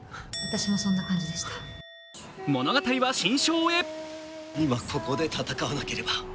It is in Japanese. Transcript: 物語は新章へ。